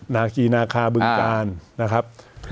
นาคีนาคาบึงกาลนะครับ